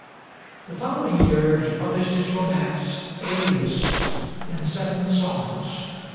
The following year he published his romance, 'Elius,' in seven songs.